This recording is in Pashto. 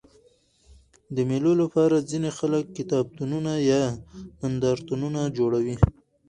د مېلو له پاره ځيني خلک کتابتونونه یا نندارتونونه جوړوي.